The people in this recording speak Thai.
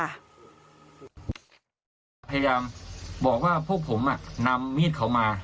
พยายามบอกว่าพวกผมนำมีดเขามา